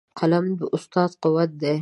قلم د استاد قوت دی.